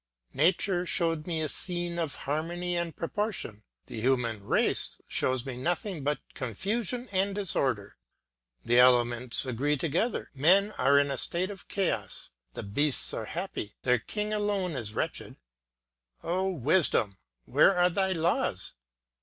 Nature showed me a scene of harmony and proportion; the human race shows me nothing but confusion and disorder. The elements agree together; men are in a state of chaos. The beasts are happy; their king alone is wretched. O Wisdom, where are thy laws?